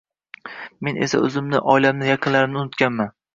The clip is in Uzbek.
Men esa oʻzimni, oilamni, yaqinlarimni unutganman